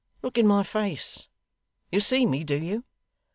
Look in my face. You see me, do you?